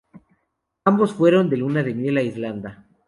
Ambos fueron de luna de miel a Irlanda.